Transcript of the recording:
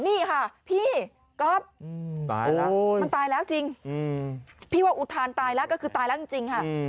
นี่ค่ะพี่ก๊อฟตายแล้วมันตายแล้วจริงพี่ว่าอุทานตายแล้วก็คือตายแล้วจริงค่ะ